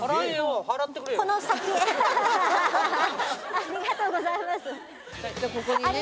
ありがとうございます。